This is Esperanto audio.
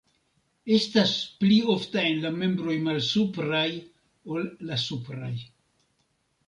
Estas pli ofta en la membroj malsupraj ol la supraj.